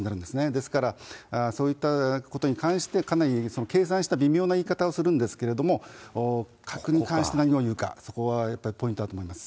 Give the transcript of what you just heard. ですから、そういったことに関して、かなり計算した微妙な言い方をするんですけれども、核に関して何を言うか、そこはやっぱりポイントだと思います。